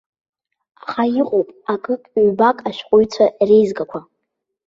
Аха иҟоуп акык-ҩбак ашәҟәыҩҩцәа реизгақәа.